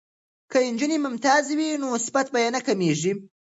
که نجونې ممتازې وي نو صفت به نه کمیږي.